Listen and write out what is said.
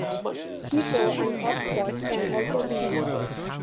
Snicko and Hot Spot can also be used.